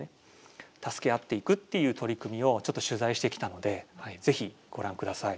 助け合っていくっていう取り組みを取材してきたのでぜひご覧ください。